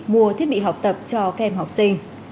mua thiết bị học tập cho kem học sinh